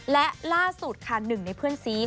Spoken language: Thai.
แล้วล่าสุดค่ะหนึ่งในเพื่อนศรีของ